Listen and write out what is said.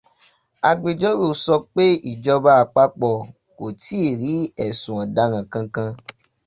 Agbẹjọ́rò sọ pé ìjọba àpapọ̀ kò tíì rí ẹ̀sùn ọ̀daràn kankan